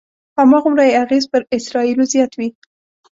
هماغومره یې اغېز پر اسرایلو زیات وي.